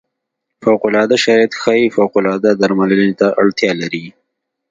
فوق العاده شرایط ښايي فوق العاده درملنې ته اړتیا لري.